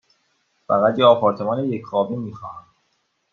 فقط یک آپارتمان یک خوابه می خواهم.